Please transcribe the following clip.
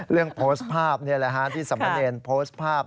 เรื่องโพสต์ภาพนี่แหละฮะที่สมเนรโพสต์ภาพ